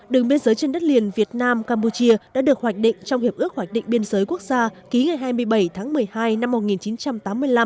đường biên giới trên đất liền việt nam campuchia đã được hoạch định trong hiệp ước hoạch định biên giới quốc gia ký ngày hai mươi bảy tháng một mươi hai năm một nghìn chín trăm tám mươi năm